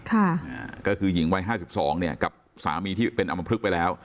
ก็คือหญิงวัยห้าสิบสามีที่เป็นอำพรึกไปแล้ว